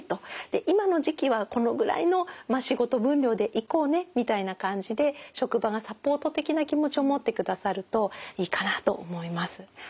今の時期はこのぐらいの仕事分量でいこうねみたいな感じで職場がサポート的な気持ちを持ってくださるといいかなと思います。